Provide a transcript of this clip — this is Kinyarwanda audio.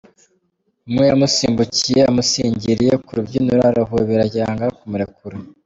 Umwe yamusimbukiye amusingiriye ku rubyiniro arahobera yanga kumurekura.